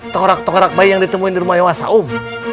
tengkorak tenkorak bayi yang ditemuin di rumah lewasa um